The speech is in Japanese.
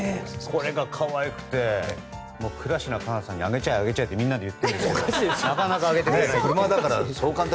これが可愛くて倉科カナさんにあげちゃえ、あげちゃえってみんなで言ってるんですがなかなかあげてくれない。